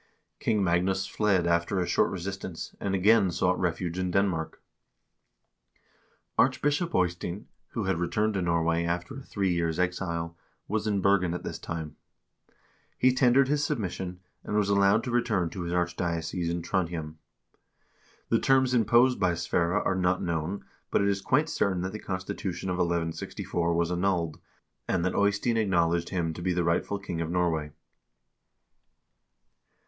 King Magnus fled after a short resistance, and again sought refuge in Denmark. Archbishop Eystein, who had returned to Norway after a three years' exile, was in Bergen at this time. He tendered his submission, and was allowed to return to his archdiocese in Trondhjem. The terms imposed by Sverre are not known, but it is quite certain that the constitution of 1164 was annulled, and that Eystein acknowledged him to be the rightful king of Norway.